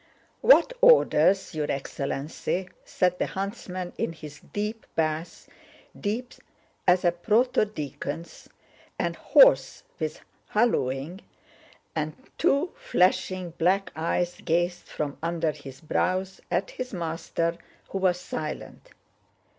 "What orders, your excellency?" said the huntsman in his deep bass, deep as a proto deacon's and hoarse with hallooing—and two flashing black eyes gazed from under his brows at his master, who was silent.